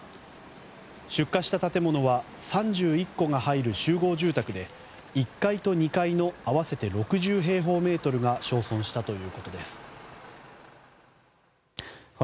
出火した建物は３１戸が入る集合住宅で１階と２階の合わせて６０平方メートルがさあ出発しよう。